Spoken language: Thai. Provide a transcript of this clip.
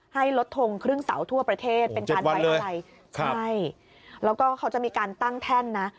ให้ลดทงครึ่งเสาทั่วประเทศเป็นการไว้อะไรใช่แล้วก็เขาจะมีการตั้งแท่นนะ